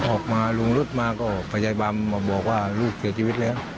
ออกมาลุงรถมาก็พยาบาลมาบอกว่าลูกเสียชีวิตแล้ว